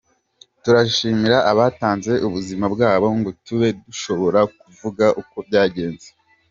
Turashimira abatanze ubuzima bwabo ngo tube dushobora kuvuga uko byagenze.